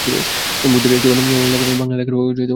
বুদ্ধের একটি বাণী বলার ও শোনার কোনো লোক থাকবে না।